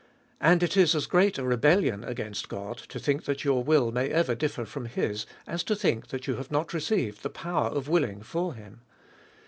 And it is as great a rebellion against God, to think that your will may ever differ from his, as to think that you have not received the power of willing from him.